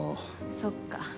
そっか。